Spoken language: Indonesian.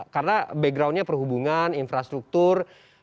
karena backgroundnya perhubungan infrastruktur